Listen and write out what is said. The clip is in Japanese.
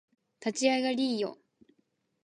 立ち上がりーよ